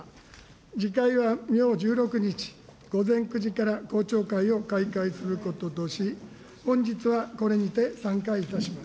次回は明１６日午前９時から公聴会を開会することとし、本日はこれにて散会いたします。